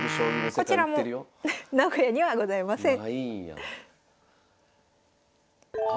こちら名古屋にはございません。